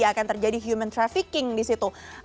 akan terjadi human trafficking di situ